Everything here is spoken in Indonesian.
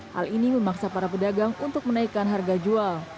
hal ini memaksa para pedagang untuk menaikkan harga jual